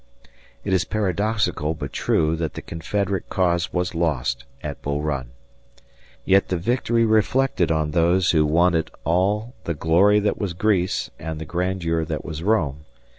It is paradoxical but true that the Confederate cause was lost at Bull Run. Yet the victory reflected on those who won it all "the glory that was Greece and the grandeur that was Rome."